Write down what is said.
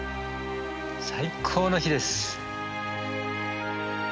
最高の日です！